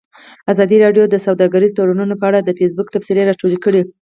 ازادي راډیو د سوداګریز تړونونه په اړه د فیسبوک تبصرې راټولې کړي.